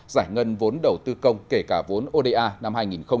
giải ngân vốn đầu tư công kể cả vốn oda năm hai nghìn hai mươi